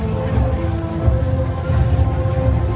สโลแมคริปราบาล